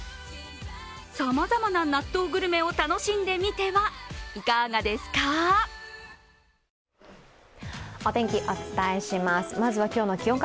さまざまな納豆グルメを楽しんでみてはいかがですか？